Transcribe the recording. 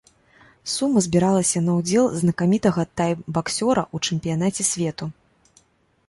Сума збіралася на ўдзел знакамітага тайбаксёра ў чэмпіянаце свету.